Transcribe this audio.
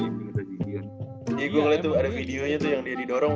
iya gua liat tuh ada videonya tuh yang dia didorong